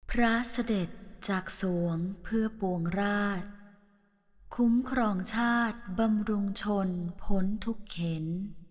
พระเสด็จจากสวงเพื่อปวงราชคุ้มครองชาติบำรุงชนพ้นทุกเข็น